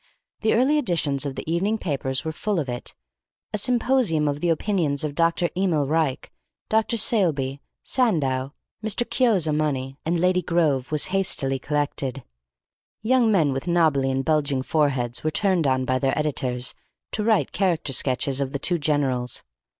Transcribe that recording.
The early editions of the evening papers were full of it. A symposium of the opinions of Dr. Emil Reich, Dr. Saleeby, Sandow, Mr. Chiozza Money, and Lady Grove was hastily collected. Young men with knobbly and bulging foreheads were turned on by their editors to write character sketches of the two generals.